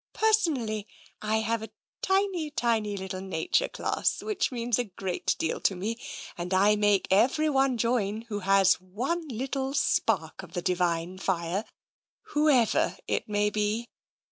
Personally, I have a tiny, tiny little nature class which means a great deal to me. And I make everyone join who has one little spark of the Divine Fire, whoever it may be.